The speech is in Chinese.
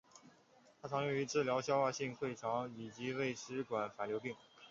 它常用于治疗消化性溃疡以及胃食管反流病。